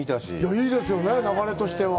いいですよね、流れとしては。